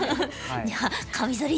じゃあカミソリ